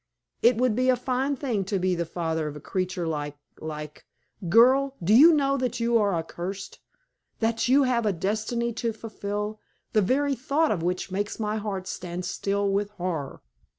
It would be a fine thing to be the father of a creature like like Girl, do you know that you are accursed? That you have a destiny to fulfill, the very thought of which makes my heart stand still with horror?